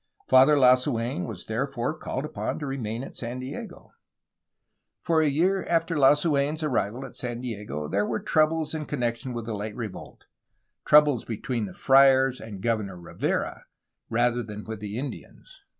Father Lasu^n was therefore called upon to remain at San Diego. For a year after Lasu^n's arrival at San Diego there were troubles in connection with the late revolt, — troubles be tween the friars and Governor Rivera, rather than with the Indians.